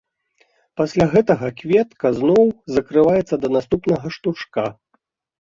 Пасля гэтага кветка зноў закрываецца да наступнага штуршка.